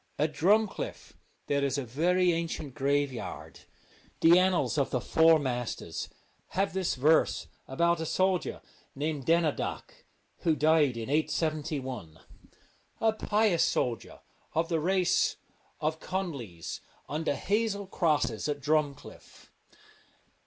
At Drumcliff there is a very ancient graveyard. The Annals of the Four Masters have this verse about a soldier named Denadhach, who died in 871 : 'A pious soldier of the race of Con lies under hazel crosses at Drumcliff.'